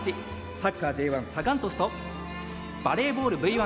サッカーＪ１サガン鳥栖とバレーボールＶ１